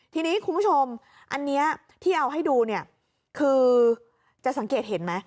ทีนี้คุณผู้ชมอันนี้ที่เอาให้ดูเนี่ยคือจะสังเกตเห็นไหม